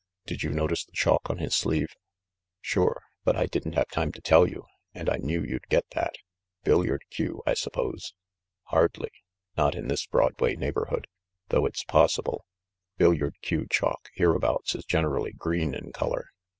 Did you notice the chalk on his sleeve ?" "Sure ; but I didn't have time to tell you, and I knew you'd get that. Billiard cue, I suppose?" "Hardly — not in this Broadway neighborhood; though it's possible. Billiard cue chalk hereabout is generally green in color.